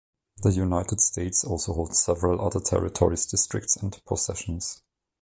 The United States also holds several other territories, districts, and possessions.